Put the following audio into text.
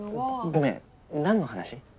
ごめん何の話？